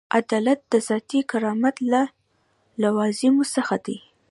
عدالت د ذاتي کرامت له لوازمو څخه دی.